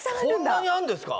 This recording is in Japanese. こんなにあるんですか？